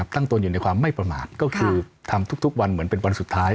ตนอยู่ในความไม่ประมาทก็คือทำทุกวันเหมือนเป็นวันสุดท้าย